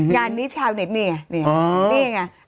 งานนี้ชาวเน็ตเนี่ยเนี่ยเนี่ยไง